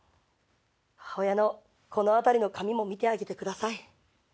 母親のこの辺りの髪も見てあげてください。